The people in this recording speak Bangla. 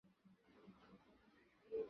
প্রায়ই ভুল হয়, তিনি বুঝি মাথায় পরচুলা পরে আছেন।